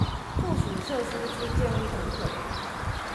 附屬設施之建物謄本